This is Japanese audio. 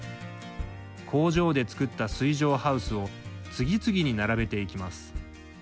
工場で造った水上ハウスを次々に並べていきます。